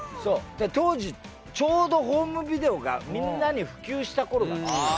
で当時ちょうどホームビデオがみんなに普及した頃だった。